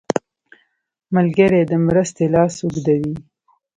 ملګری د مرستې لاس اوږدوي